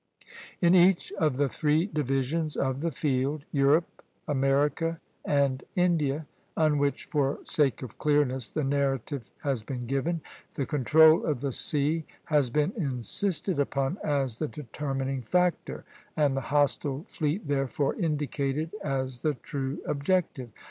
In each of the three divisions of the field, Europe, America, and India, under which for sake of clearness the narrative has been given, the control of the sea has been insisted upon as the determining factor, and the hostile fleet therefore indicated as the true objective.